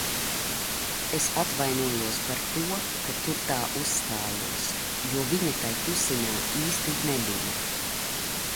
Es atvainojos par to, ka tur tā uzstājos, jo viņa tai tusiņā īsti nebija.